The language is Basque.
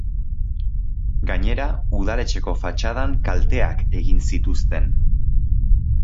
Gainera, udaletxeko fatxadan kalteak egin zituzten.